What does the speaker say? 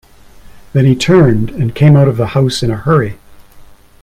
Then he turned and came out of the house in a hurry.